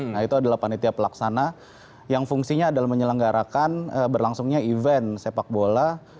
nah itu adalah panitia pelaksana yang fungsinya adalah menyelenggarakan berlangsungnya event sepak bola